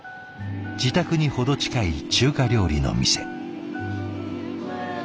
自宅に程近い中華料理の店。